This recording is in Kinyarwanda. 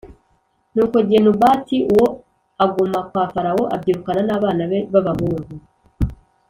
nuko Genubati uwo aguma kwa Farawo abyirukana n’abana be b’abahungu